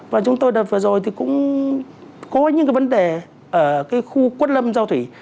và chúng tôi đặt vừa rồi thì cũng có những vấn đề ở khu quất lâm giao thủy